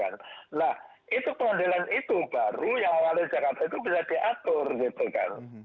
nah itu peradilan itu baru yang mengalir jakarta itu bisa diatur gitu kan